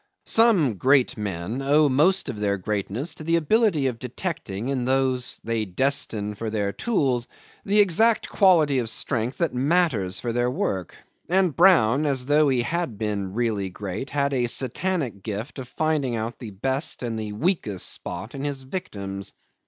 Some great men owe most of their greatness to the ability of detecting in those they destine for their tools the exact quality of strength that matters for their work; and Brown, as though he had been really great, had a satanic gift of finding out the best and the weakest spot in his victims.